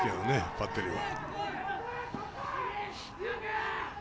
バッテリーは。